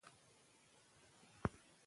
شاه شجاع خپله ماته منلې وه.